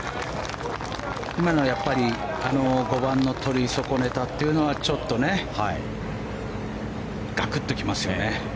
今のはやっぱり５番をとり損ねたというのはちょっと、ガクッと来ますよね。